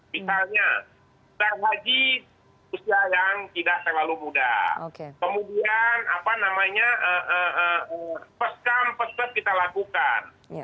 misalnya tarikh haji usia yang tidak terlalu muda kemudian peskam pesket kita lakukan